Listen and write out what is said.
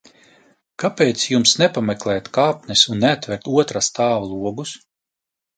Kāpēc jums nepameklēt kāpnes un neatvērt otrā stāva logus?